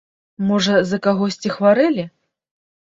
Можа, за кагосьці хварэлі?